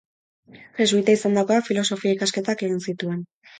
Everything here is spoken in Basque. Jesuita izandakoa, Filosofia ikasketak egin zituen.